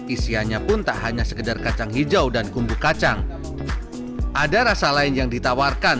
isiannya pun tak hanya sekedar kacang hijau dan kumbu kacang ada rasa lain yang ditawarkan